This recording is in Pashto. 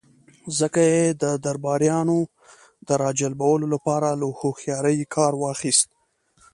ځکه يې د درباريانو د را جلبولو له پاره له هوښياری کار واخيست.